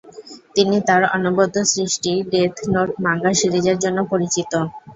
তিনি তার অনবদ্য সৃষ্টি ডেথ নোট মাঙ্গা সিরিজের জন্য পরিচিত।